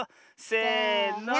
せの。